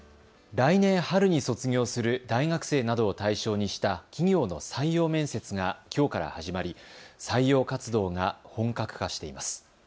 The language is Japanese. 来年春に卒業する大学生などを対象にした企業の採用面接がきょうから始まり採用活動が本格化しています。